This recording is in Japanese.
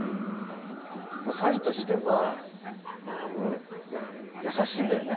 サイとしてはたぶんやさしいんだよね。